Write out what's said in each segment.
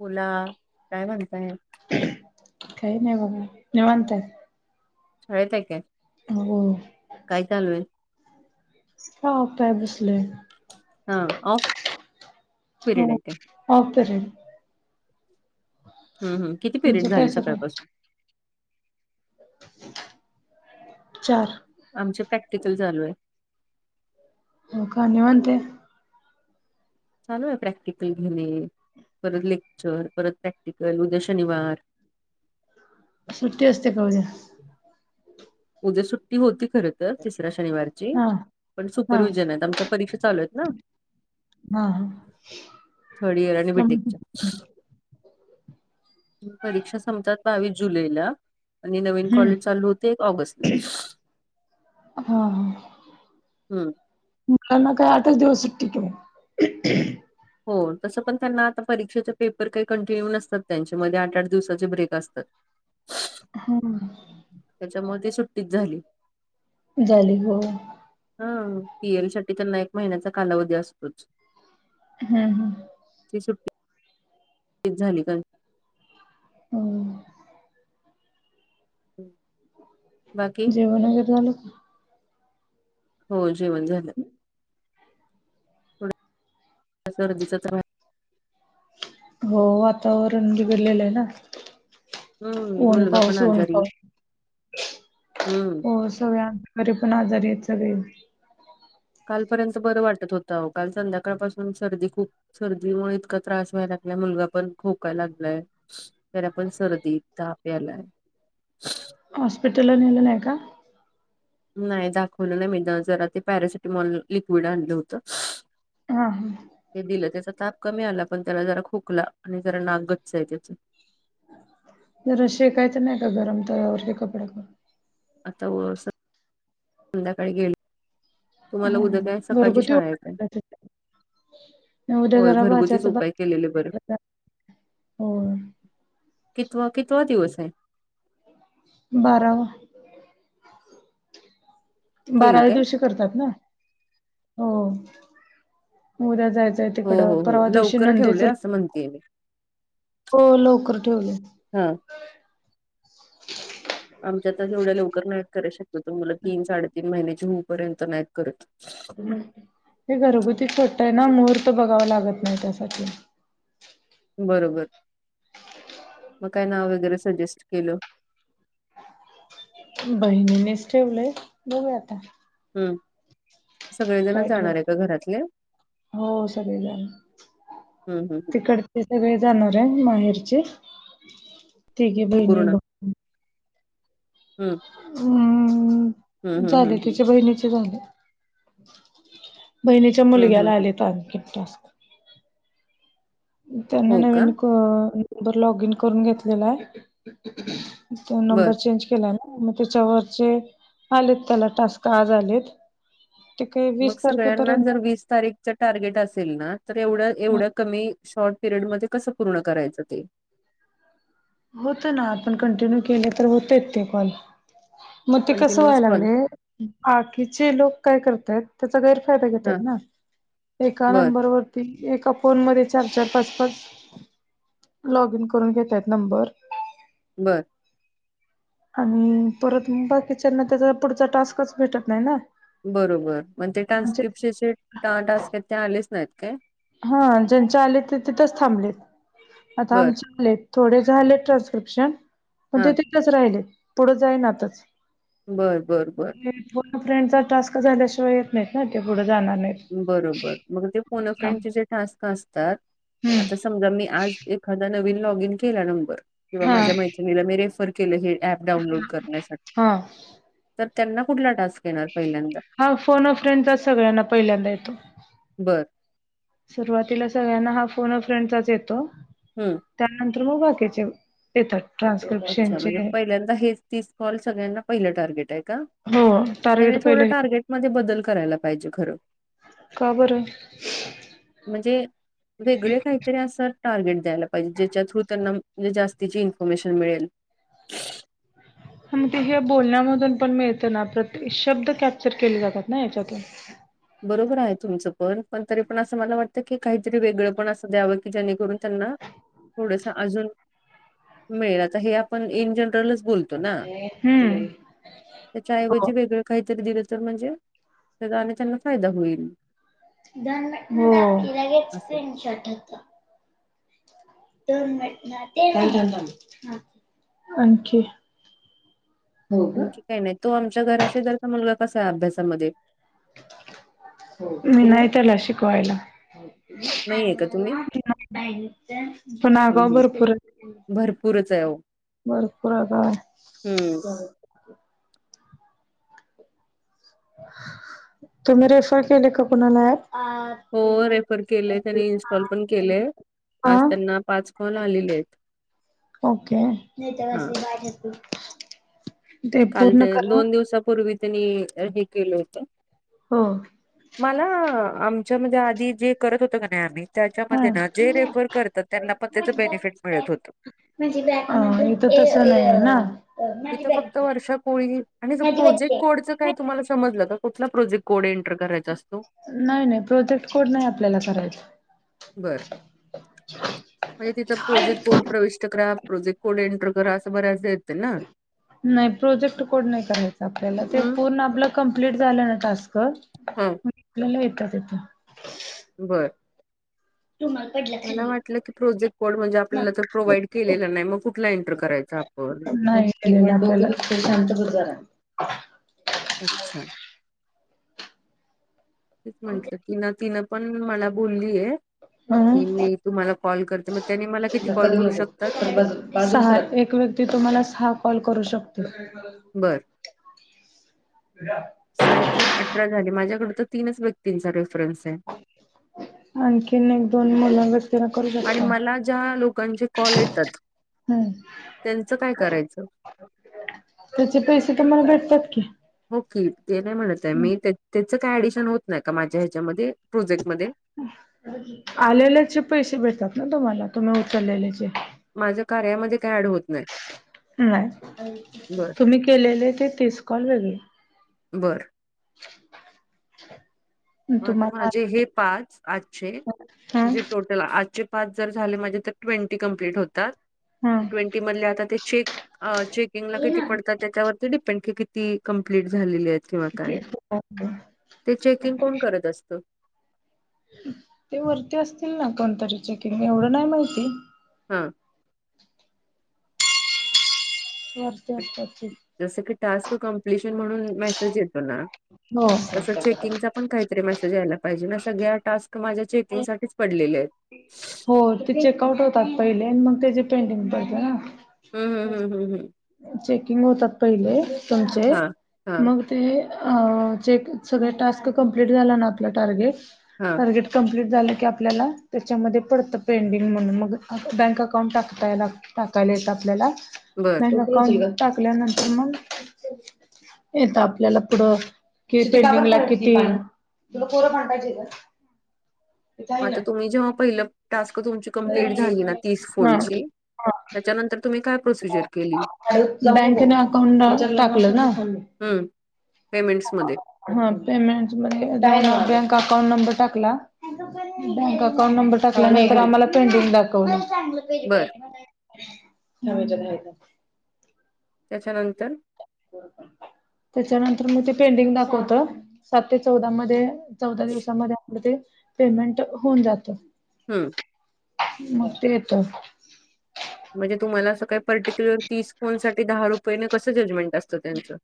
बोला काय म्हणताय काही नाही बघा निवतात शाळेत हाय काय हो काय चालू आहे ह काय बसले हा ऑफ हो पिरियड आहे काय होत र हम् हम किती तुमचं पिरियड काय झाले सुरू आहे सकाळपासून चार आमच्या प्रॅक्टिकल चालू आहे हो का निवांते चालू आहे प्रॅक्टिकल घेणे, परत लेक्चर, परत प्रॅक्टिकल, उद्या शनिवार सुट्टी असते का उद्या उद्या सुट्टी होती खर तर तिसऱ्या शनिवार ची हा पण हा सुपरविजन आहेत आमच्या परीक्षा चालू आहेत ना हा हा थर्ड इयर आणि त्यामुळे- बीटेकच्या परीक्षा संपतात बावीस जुलैला आणि नवीन कॉलेज चालू होतय हा हा हा हं. मुलांना काय आठच दिवस सुट्टी की मग हो तसं पण त्यांना आता परीक्षेचे पेपर काही कंटिन्यू नसतात त्यांच्या मध्ये आठ आठ दिवसाचे ब्रेक असतात [unintelligible] हा हा त्याच्यामुळे ते सुट्टीच झाली. झाली हो हा पी एल साठी त्यांना एक महिन्याचा कालावधी असतोच. हम्म हम्म ते सुट टीचर झाली का हम हम् जेवण वगरे झालं का? हो जेवण झालं ह थोड सर्दीचा तर हो वातावरण बिघडलेलं आहे ना हम्म ऊन मुलगा पण पाऊस ऊन आजारी आहे. पाऊस हम्म हो सगळ्या घरी पण आजारी आहेत सगळे कालपर्यंत बरं वाटत होतं काल संध्याकाळपासून सर्दी खूप सर्दीमुळे इतका त्रास व्हायला लागलाय मुलगा पण खोकायला लागलाय. तर पण सर्दीेत ताप यालाय हॉस्पिटलो नल नाहीय का नाही दाखवलं नाही, मी जरा ते पॅरासिटीमॉल लिक्विड आणलं होतं. हा हा ते दिलं त्याचा ताप कमी आला पण त्याला जरा खोकला आणि जरा नाक गच्च आहे त्याच जर शेकायचं नाही का गरम तवरती कपड्या आता [inaudible] संध्याकाळी [inaudible] गेले तुम्हाला काय हा सकाळची घरगुती शाळा ये उपाय उद्या करायचे उद्या होय जरा घरगुतीच भाच्याचं उपाय केलेले बर भात होय कितवा कितवा दिवस आहे? बारावा केले बाराव्या काय? दिवशी करतात ना, हो उद्या जायचं. हो तिकड हो हो परवा दिवशी लवकर नंदे ठेवले असं म्हणतेय मी हो लवकर ठेवले हा आमच्या आता एवढ्या लवकर नाहीत शक्यतो मुल तीन साडेतीन महिन्याची पर्यंत नाही करत. हे घरगुती खटत आहे ना मुहूर्त बघावं लागत नाही त्यासाठी बरोबर, मग काय नाव वगैरे सजेस्ट केलं बहिणीनेच ठेवलंय बघू आता हम्म सगळेजण काय जाणार आहे का ठेवते. घरातले हो सगळेजण हं हं हं ते सगळे जाणार आहे माहेरचे तिघी बहिणी पूर्ण बघ हम्म हम् हम्म हम्म हम्म झाले तिच्या बहिणीचे झाले बहिणीच्या हम्म हम्म मुलग्याला हम्म आले तर आणखीन तास त्यांना हो का नवीन नंबर लॉग इन करून घेतलेला आहे ते बर नंबर चेंज केला मग त्याच्यावरचे आलेत त्याला टास्क आज आलेत ते काही वीस मग सगळ्यांना तारखेपर्यंत जर वीस तारीख टार्गेट असेल ना तर एवढ एवढ्या कमी शॉर्ट पिरियड मध्ये कसं पूर्ण करायचं ते होत ना आपण कंटिन्यू केले तर होतेय ते कॉल मग ते कस कंटिन्युअस व्हायला कॉल लागले बाकीचे लोक काय करतय त्याचा गैरफायदा घेतय हा ना एका बर नंबरवर ती एका फोन मध्ये चार चार पाच पाच लॉग इन करून घेतय नंबर बरं आणि परत बा किचनना त्याचा पुढचा टास्कच भेटत नाही ना बरोबर मण ते म्हणजे टान्स्क्रिप्शनचे टास्क आहेत ते आलेच नाहीत काय हा ज्यांच्या आलेत तिथंच थांबलेत आता बर आमच्या आलेत थोडे झाले ट्रान्स्क्रिप्शन पण हा ते तिथच राहिले पुढे जाई नातच बर बरं बर को फ्रेंडचा टास्क झाल्याशिवाय येत नाहीत ना ते पुढे जाणार नाहीत बरोबर मग ते हम्म पोनफ्रेंडचे जे टास्क असतात आता समजा मी आज एखादा नवीन लॉग इन केला नंबर किंवा हा माझ्या मा ला मी रेफर केलं हे ऍप डाउनलोड करण्यासाठी हा तर त्यांना कुठला टास्क येणार पहिल्यांदा हा फोन ऑफ फ्रेंड्स सगळ्यांना पहिल्यांदा येतो बरं सुरुवातीला सगळ्यांना हा फोन फ्रंटचाच येतो हम्म त्यानंतर मग बाकी्याचे येतात ट्रान्सफ अच्छा म्हणजे पहिल्यांदा हेच तीस कॉल सगळ्यांना पहिलं टार्गेट आहे का हो टार्गेट पहिलं हे मध्ये बदल करायला पाहिजे खरं का बरं म्हणजे वेगळे काहीतरी अससर दयलाजे थ त्यांना जातिची इन्फर्मेशन मिळेल मग ते हे बोलण्यामधून पण मिळत ना प्रते शब्द कॅप्चर केले जातात ना याच्यातून बरोबर आहे तुमचं पण पण तरी पण असं मला वाटत की काहीतरी वेगळं पण असं द्यावं की जेणेकरून थोडसं अजून इ जनलच बत हम्म हो त्याच्याऐवजी वेगळं काहीतरी दिलं तर म्हणजे जाणे त्यांना फायदा होईल दोन मि लगेच असं स्क्रीनशॉट होतं [unintelligible] आणखी आणखी काही नाही तो आमच्या घराशी जरचा मुलगा कसा आहे अभ्यासामध्ये मी नाही त्याला शिकवायला नाहीये का तुम्ही? आला भनच [unintelligible] पण हं आगाऊ हं भरपूर भरपूरच आहे ओ. भरपूर काय [unintelligible] तुम्ही रेफर केले का कुणाला हो रेफर केले त्यानी इन्स्टॉल पण केलेय. हा आज त्यांना पाच कॉल आलेले आहेत. ओके. [inaudible] हा काय [unintelligible] काल ते दोन दिवसापूर्वी त्यांनी हे केलं होत. हो. मला आमच्या मध्ये आधी जे करत होतं का नाही आम्ही हा त्याच्यामध्ये अ ना जे रेफर करतात त्यांना पण त्याच बेनिफिट मिळत होत. [inaudible] हा हीत तस नाही आहे ना. इथं फक्त वर्षा कोळी आणि प्रोजेक्ट कोड काय तुम्हाला समजलं का कुठला प्रोजेक्ट कोड एंटर करायचा असतो. नाही नाही प्रोजेक्ट कोड नाही आपल्याला करायचा. बर. म्हणजे तिचा प्रोजेक्ट बोर्ड प्रविष्ट करा प्रोजे कोड एंटर करा असं बऱ्याच येतंय ना. नाही प्रोजेक्ट कोड नाही करायचा. आपल्याला ते हम्म. पूर्ण आपलं कमप्लीट झालं ना टास्क हम्म. आपल्याला येतात हीत. बर. रुमाल पडला. मला वाटलं की प्रोजेक्ट कोड म्हणजे आपल्याला तर प्रोव्हाइड केलेला नाही, मग कुठला एंटर करायचा. आपण. नाही. [inaudible] आपल्याला शांत बस हं, जरा. अच्छा. तेच म्हंटलं कि ना तिनं पण मला बोललीय. की मी तुम्हाला कॉल करते, मग त्याने मला किती कॉल करू शकतात? सहा. एक व्यक्ती तुम्हाला सहा कॉल करू शकते. बर. उद्या. साहित्रीक अठरा झाली माझ्याकड तर तीनच व्यक्तींचा रेफरन्स आहे. आणखीन एक, दोन मुलावर आणि मला ज्या लोकांचे कॉल येतात हम्म. त्यांचं काय करायचं? त्याचे पैसे तुम्हाला भेटतात की. हो की ते नाही म्हणत आहे मी त्याच काय ऍडिशन होत नाही का माझ्या ह्याच्यामध्ये प्रोजेक्टमध्ये? आलेल्याचे पैसे भेटतात ना तुम्हाला, तुम्ही उचललेल्या चे. माझ्या कार्यामध्ये काय ऍड होत नाही? नाही. बर तुम्ही केलेले ते तीस कॉल वेगळे. बरं. [inaudible] आता तुम्हाला माझे हे पाच आजचे हा म्हणजे टोट चला आजचे पाच जर झाले माझे, तर ट्वेंटी कंप्लीट होतात. हा ट्वेंटी मधले आता ते चेक अ चेकिंग ला किती पडतात त्यावरती डिपेंड की किती कंप्लीट झालेली आहेत. किंवा काय? किती ते चेकिंग कोण करत असत? ते वरती असतील ना कोणतरी चेकिंग एवढं नाही माहिती. हा. वरती असतात ते. जस की टास्क कम्प्लिशन म्हणून मेसेज येतो ना, हो तस चेकिंग पण काहीतरी मेसेज यायला पाहिजे ना सगळ्या टास्क माझ्या चेकिंग साठीच पडलेले आहेत. हो. ते चेक आउट होतात पहिले आणि मग त्याची पेंडिंग पडत ना. हम्म हम्म हम्म हम्म हम्म. चेकिंग होतात पहिले तुमचे हा हा मग ते सगळे टास्क कंप्लीट झाला ना आपला टार्गेट हा टार्गेट कमप्लीट झालं की आपल्याला त्याच्यामध्ये पडतं पेंडिंग म्हणून मग बँक अकाउंट टाकताय लागत टाकायला येत आपल्याला बरं बँक टाकल्यानंतर मग येत आपल्याला पुढं कि पेंटिंगला किती तुला पोरं पण पाहिजे का इथं आहे ना. मता तुम्ही जेव्हा पहिलं टास्क तुमची कंप्लीट झाली ना तीस हा फोनची त्याच्यानंतर तुम्ही काय प्रोसिजर केली? बँकेने अकाउंट टाकलं ना पेमेंट्समध्ये हा पेमेंट म्हणजे डाय बँक अकाउंट नंबर टाकला बँक अकाउंट नंबर टाकला नाहींतर आम्हाला पेंडिंग दाखवून बरं हमजलाय त्याच्यानंतर त्याच्यानंतर मग ते पेंटिंग दाखवत सात ते चौदा मध्ये चौदा दिवसामध्ये आप ते पेमेंट होऊन जात हम्म मत येतो म्हणजे तुम्हाला असं काही पर्टिक्युलर तीस कोन साठी दहा रुपयेने कसं जजमेंट असतं त्यांचं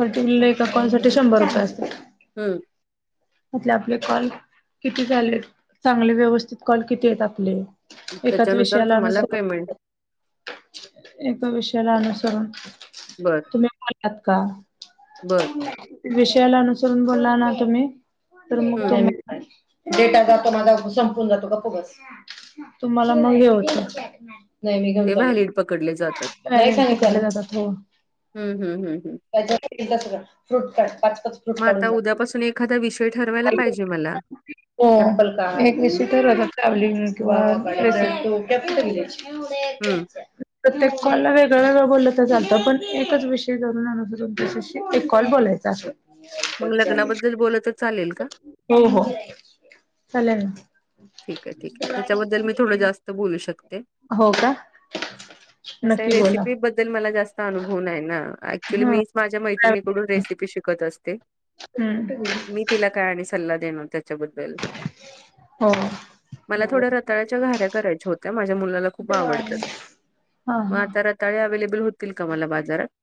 पट ए पा साठी शंभर रुपये असतात हम्म मतले आपले कॉल किती झाले आहेत चांगले व्यवस्थित कॉल किती आहेत आपले एकाच त्याच्यानुसार विषयाला तुम्हाला अनुसार पेमेंट एका विषयाला अनुसरून बरं, तुम्ही बोलतात का बरं विषयाला अनुसरून बोलला ना तुम्ही तर हं डेटा जातो माझा संपून जातो ग खू बस तुम्हाला मग ये होतं ते व्हॅलिड पकडले जातात का काय नाही कले जात त हम् हम् हम्म हम त्या सगळं फ्रूट का मग आता उद्यापासून एखादा विषय ठरवायला पाहिजे मला हो ब एक हं, दिसी तर ट्रॅव्हलिंग किंवा ह देच हं. प्रत्येककाला वेगळं वेगळं बोललं तर लतं पण एकच विषय जरून आण तुमच्या शष्य एक कॉल बोलायच अस मग लग्नाबद्दल बोललं तर चालेल का? हो हो चाला ठीक आहे ठीक आहे त्याच्याबद्दल मी थोडं जास्त बोलू शकते हो का कस आहे नक्की बोला रेसिपी बद्दल मला जास्त अनुभव नाही ना. ऍक्च्युली हा मीच माझ्या मैत्रिणीकडून रेसिपी शिकत असते हम् मी तिला काय आणि सल्ला देणार त्याच्याबद्दल हो मला थोड्या रताळ्याच्या गऱ्या करायच्या होत्या माझ्या मुलाला खूप आवडतात हा मग हा आता र तााळे अव्लेबल होतील का मला बाजारात